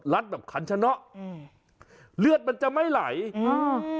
แบบขันชะเนาะอืมเลือดมันจะไม่ไหลอืม